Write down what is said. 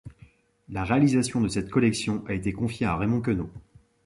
La réalisation de cette collection a été confiée à Raymond Queneau.